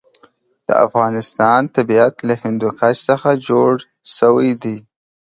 د افغانستان طبیعت له هندوکش څخه جوړ شوی دی.